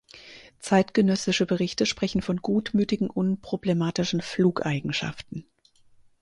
Zeitgenössische Berichte sprechen von gutmütigen unproblematischen Flugeigenschaften.